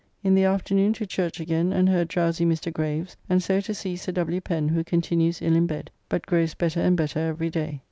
In the afternoon to church again, and heard drowsy Mr. Graves, and so to see Sir W. Pen, who continues ill in bed, but grows better and better every day.